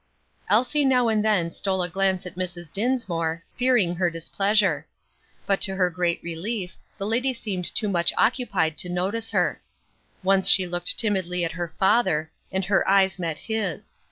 Elsie now and then stole a glance at Mrs. Dinsmore, fearing her displeasure; but to her great relief, the lady seemed too much occupied to notice her. Once she looked timidly at her father, and her eyes met his.